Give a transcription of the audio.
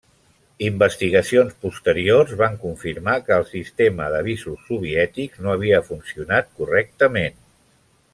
Investigacions posteriors van confirmar que el sistema d'avisos soviètics no havia funcionat correctament.